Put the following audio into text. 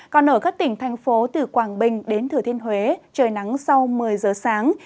còn ở các tỉnh thành phố từ quảng bình đến thừa thiên huế trời nắng sau một mươi giờ sáng